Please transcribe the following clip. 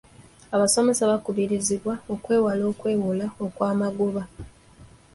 Abasomesa bakubirizibwa okwewala okwewola okwamagoba.